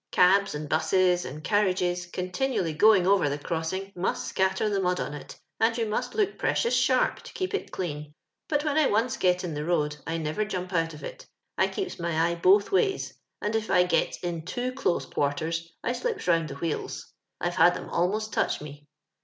Cabs, and 'busses, and carriages continually going over the cross ing must scatter the mud on it, and you must look precious sharp to keep it clean ; but when I once get in the road, I never jump out of it I keeps my eye both ways, and if I gets in too close quarters, I slips round the wheels. I've had them almost touch me.